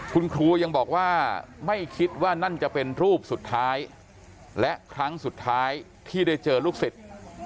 คุณครูยังบอกว่าไม่คิดว่านั่นจะเป็นรูปสุดท้ายและครั้งสุดท้ายที่ได้เจอลูกศิษย์